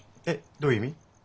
どういう意味？